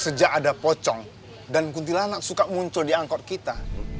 sejak ada pocong dan kuntilanak suka muncul di angkot kita